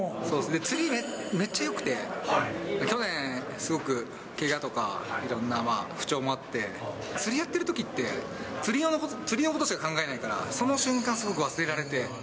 そうです、釣りめっちゃよくて、去年、すごくけがとかいろんな不調もあって、釣りやってるときって、釣りのことしか考えないから、その瞬間、すごく忘れられて。